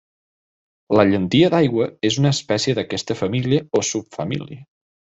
La llentia d'aigua és una espècie d'aquesta família, o subfamília.